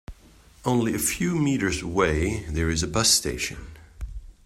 Only a few meters away there is a bus station.